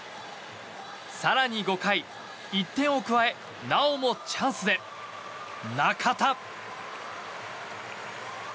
更に５回、１点を加えなおもチャンスで中田。